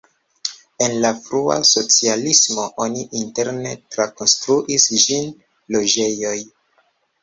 En la frua socialismo oni interne trakonstruis ĝin loĝejoj.